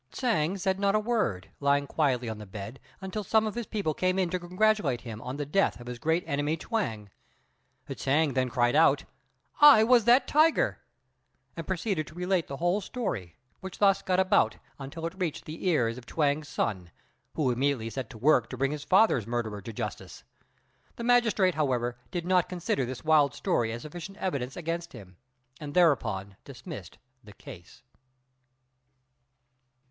Hsiang said not a word, lying quietly on the bed until some of his people came in to congratulate him on the death of his great enemy Chuang. Hsiang then cried out, "I was that tiger," and proceeded to relate the whole story, which thus got about until it reached the ears of Chuang's son, who immediately set to work to bring his father's murderer to justice. The magistrate, however, did not consider this wild story as sufficient evidence against him, and thereupon dismissed the case.